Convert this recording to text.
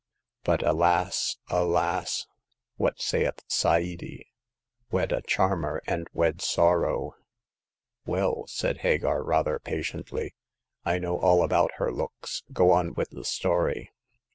But alas ! alas J. what saith Sa'adi ;* Wed a charmer and wed sorrow !'"Well," said Hagar, rather patiently, I know all about her looks. Go on with the story."